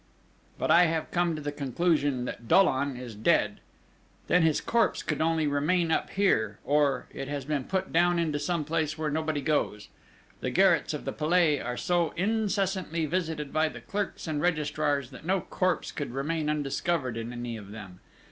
But I have come to the conclusion that Dollon is dead! Then his corpse could only remain up here; or, it has been put down into some place where nobody goes. The garrets of the Palais are so incessantly visited by the clerks and registrars that no corpse could remain undiscovered in any of them.